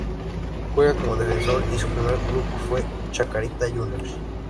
Jugaba como defensor y su primer club fue Chacarita Juniors.